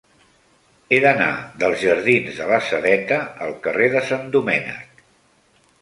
He d'anar dels jardins de la Sedeta al carrer de Sant Domènec.